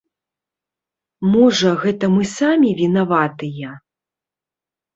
Можа, гэта мы самі вінаватыя?